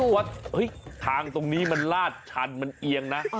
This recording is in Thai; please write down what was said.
ว่าทางตรงนี้มันลาดชันมันเอียงนะ